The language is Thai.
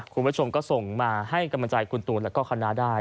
คุณผู้ชมก็ส่งมาให้กำลังใจคุณตูนแล้วก็คณะได้